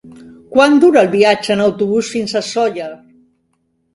Quant dura el viatge en autobús fins a Sóller?